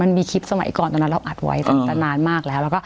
มันมีคลิปสมัยก่อนตอนนั้นเราอัดไว้ตั้งแต่นานมากแล้ว